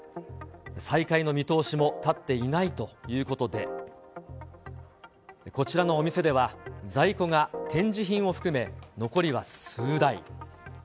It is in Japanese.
再開の見通しも立っていないということで、こちらのお店では、在庫が展示品を含め、残りは数台。